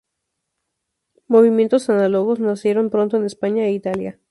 Movimientos análogos nacieron pronto en España e Italia.